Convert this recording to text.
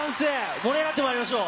盛り上がってまいりましょう。